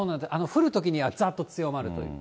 降るときには、ざっと強まるという。